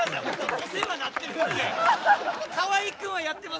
お世話になってるんで！